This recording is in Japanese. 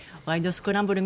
スクランブル」